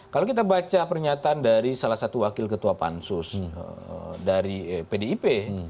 kalau kita baca pernyataan dari salah satu wakil ketua pansus dari pdip